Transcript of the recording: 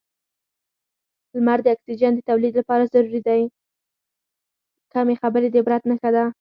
کمې خبرې، د عبرت نښه ده.